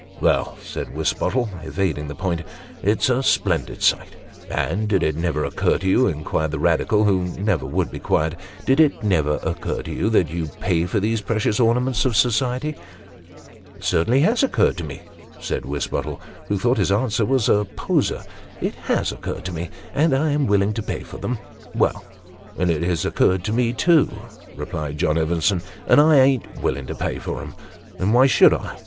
"Well," said Wisbottle, evading the point, "it's a splendid sight." " And did it never occur to you," inquired the Eadical, who never would be quiet ;" did it never occur to you, that you pay for these precious ornaments of society ?"" It certainly has occurred to me," said Wisbottle, who thought this answer was a poser ;" it lias occurred to me, and I am willing to pay for them." " Well, and it has occurred to me too," replied John Evenson, " and I ain't willing to pay for 'em. Then why should I?